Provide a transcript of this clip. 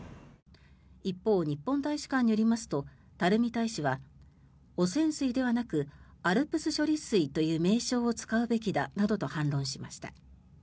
一方、日本大使館によりますと垂大使は汚染水ではなくＡＬＰＳ処理水という名称を使うべきだなどと反論しました。